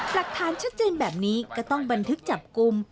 หลักฐานชัดเจนแบบนี้ก็ต้องบันทึกจับกลุ่ม